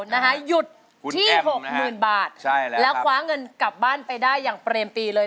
หยุดที่๖๐๐๐บาทแล้วคว้าเงินกลับบ้านไปได้อย่างเปรมปีเลย